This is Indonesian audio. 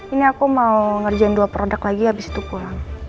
ini aku mau ngerjain dua produk lagi abis itu pulang